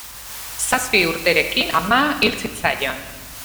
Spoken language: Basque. Zazpi urterekin ama hil zitzaion.